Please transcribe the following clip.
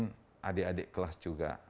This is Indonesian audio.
terus bagaimana memimpin adik adik kelas juga